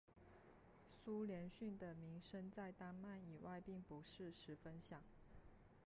苏连逊的名声在丹麦以外并不是十分响。